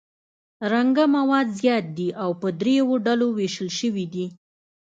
رنګه مواد زیات دي او په دریو ډولو ویشل شوي دي.